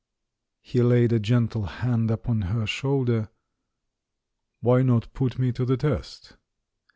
He laid a gentle hand upon her shoulder. *'Why not put me to the test?"